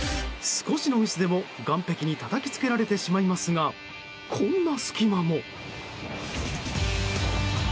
少しのミスでも、岸壁にたたきつけられてしまいますがこんな隙間も。